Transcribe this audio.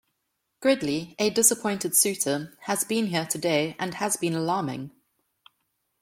Gridley, a disappointed suitor, has been here today and has been alarming.